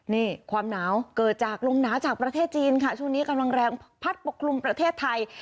นี่ความหนาวเกิดจากลมหนาวจากประเทศจีนค่ะช่วงนี้กำลังแรงพัดปกคลุมประเทศไทย